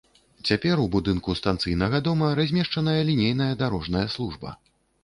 Цяпер у будынку станцыйнага дома размешчаная лінейная дарожная служба.